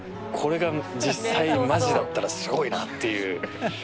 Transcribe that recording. これが実際マジだったらすごいなっていう。